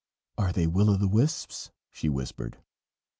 "Are they will o' the wisps?" she whispered.